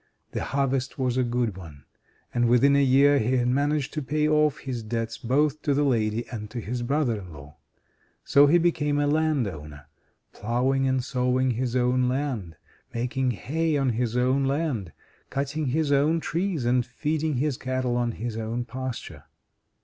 The harvest was a good one, and within a year he had managed to pay off his debts both to the lady and to his brother in law. So he became a landowner, ploughing and sowing his own land, making hay on his own land, cutting his own trees, and feeding his cattle on his own pasture.